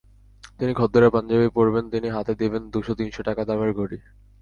যিনি খদ্দরের পাঞ্জাবি পরবেন, তিনি হাতে দেবেন দুশ তিন শ টাকা দামের ঘড়ি।